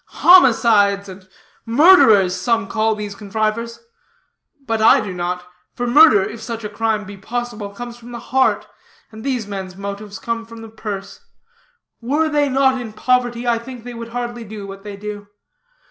Homicides and murderers, some call those contrivers; but I do not; for murder (if such a crime be possible) comes from the heart, and these men's motives come from the purse. Were they not in poverty, I think they would hardly do what they do.